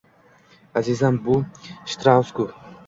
Azizam, bu Shtraus-ku